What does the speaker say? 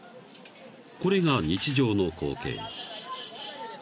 ［これが日常の光景］